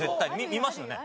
見ますよね？